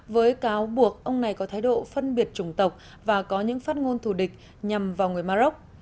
với cáo buộc ông này có thái độ phân biệt chủng tộc và có những phát ngôn thù địch nhằm vào người maroc